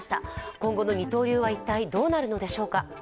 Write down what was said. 今後の二刀流は一体どうなるのでしょうか。